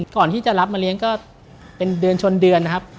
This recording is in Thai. ก่อนที่จะรับมาเลี้ยงก็เป็นเดือนชนเดือนนะครับ